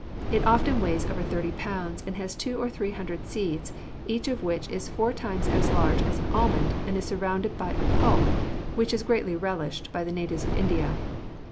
It often weighs over thirty pounds and has two or three hundred seeds, each of which is four times as large as an almond and is surrounded by a pulp which is greatly relished by the natives of India.